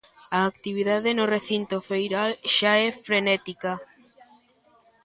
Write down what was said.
A actividade no recinto feiral xa é frenética.